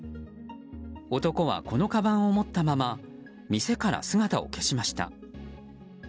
男はこのかばんを持ったまま店から姿を消しました。